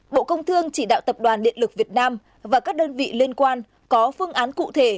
bộ công thương chỉ đạo tập đoàn điện lực việt nam và các đơn vị liên quan có phương án cụ thể